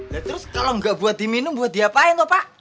ya terus kalau nggak buat diminum buat diapain pak